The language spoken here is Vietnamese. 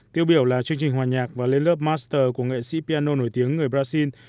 tiêu biểu là chương trình hòa nhạc và lên lớp master của nghệ sĩ piano nổi tiếng người brazil